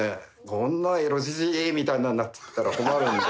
「このエロじじい！」みたいなのになっちゃったら困るんで。